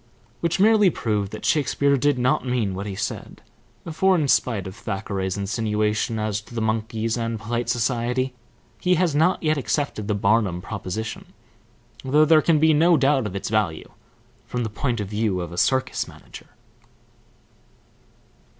Which merely proved that Shakespeare did not mean what he said; for in spite of Thackeray's insinuation as to the monkeys and polite society, he has not yet accepted the Barnum proposition, though there can be no doubt of its value from the point of view of a circus manager.